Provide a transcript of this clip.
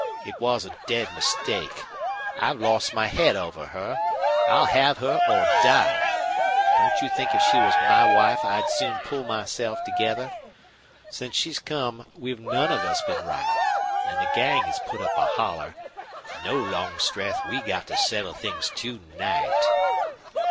"It was a dead mistake. I've lost my head over her. I'll have her or die. Don't you think if she was my wife I'd soon pull myself together? Since she came we've none of us been right. And the gang has put up a holler. No, Longstreth, we've got to settle things to night."